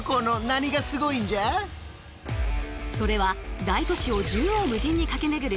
それは大都市を縦横無尽に駆けめぐる